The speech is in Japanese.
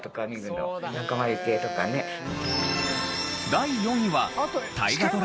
第３位は『